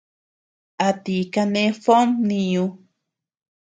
¿A ti kane Fom mniñu?